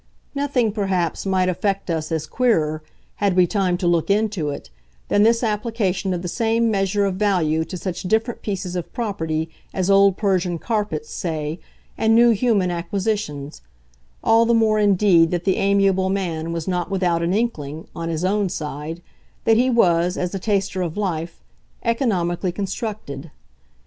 Nothing perhaps might affect us as queerer, had we time to look into it, than this application of the same measure of value to such different pieces of property as old Persian carpets, say, and new human acquisitions; all the more indeed that the amiable man was not without an inkling, on his own side, that he was, as a taster of life, economically constructed.